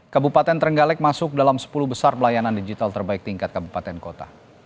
kabupaten trenggalek masuk dalam sepuluh besar pelayanan digital terbaik tingkat kabupaten kota